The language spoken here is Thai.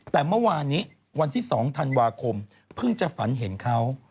แต่เมื่อวานนี้วันที่๒ธันวาคมเพิ่งจะฝันเห็นเขา